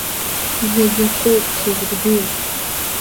Зегьакоуп сазгәдууп.